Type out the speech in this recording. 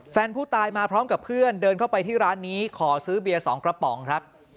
แฟนผู้ตายมาพร้อมกับเพื่อนเดินเข้าไปที่ร้านนี้ขอซื้อเบียร์๒กระป๋องครับ